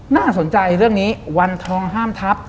น่าสนใจเรื่องนี้วันทองห้ามทัพ